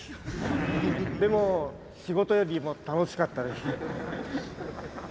でも仕事よりも楽しかったです。